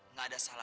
nggak ada salah